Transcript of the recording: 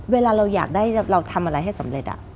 เวลาเราอยากได้เราทำอะไรให้สำเร็จ